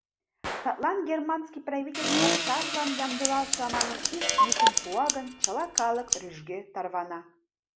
Садлан Германский правительство, «сарлан ямдылалтса» манын, ик йӱкым пуа гын, чыла калык рӱжге тарвана.